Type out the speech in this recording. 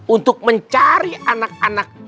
untuk mencari anak anak